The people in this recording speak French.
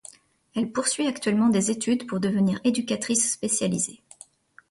Elle poursuit actuellement des études pour devenir éducatrice spécialisée.